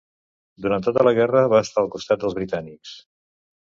Durant tota la guerra va estar al costat dels britànics.